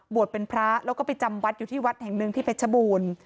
เป็นพระแล้วก็ไปจำวัดอยู่ที่วัดแห่งหนึ่งที่เพชรบูรณ์